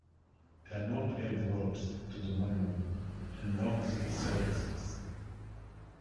There are no paved roads into the monument and no visitor services.